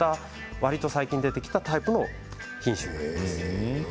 わりと最近出てきたタイプの品種です。